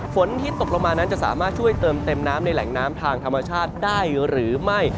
ฝนที่ตกลงมานั้นจะสามารถช่วยเติมเต็มน้ำในแหล่งน้ำทางธรรมชาติได้หรือไม่